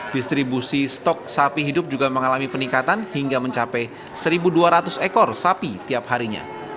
distribusi stok sapi hidup juga mengalami peningkatan hingga mencapai satu dua ratus ekor sapi tiap harinya